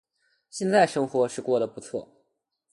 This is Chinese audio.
现在生活是过得不错